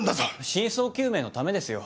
真相究明のためですよ。